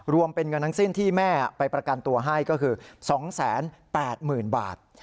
รวมเป็นเงินทั้งสิ้นที่แม่ไปประกันตัวให้ก็คือ๒๘๐๐๐บาท